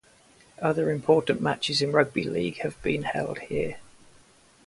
Other important matches in Rugby League have been held here.